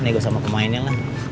nego sama pemainnya lah